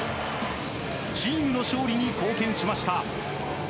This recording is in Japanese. チームの勝利に貢献しました。